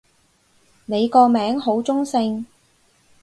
你個名好中性